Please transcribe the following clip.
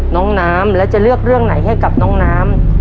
น้องน้ำแล้วจะเลือกเรื่องไหนให้กับน้องน้ำ